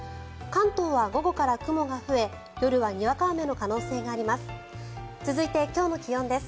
関東は午後から雲が増え夜はにわか雨の可能性があります。